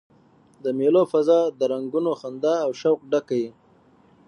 د مېلو فضا د رنګونو، خندا او شوق ډکه يي.